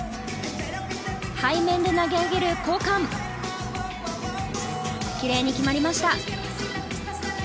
背面で投げ上げる交換奇麗に決まりました。